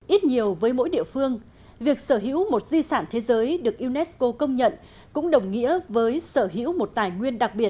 ít nhiều với mỗi địa phương việc sở hữu một di sản thế giới được unesco công nhận cũng đồng nghĩa với sở hữu một tài nguyên đặc biệt